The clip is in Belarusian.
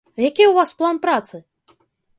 Які ў вас план працы?